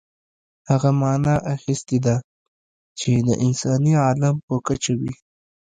هغه معنا اخیستې ده چې د انساني عالم په کچه وي.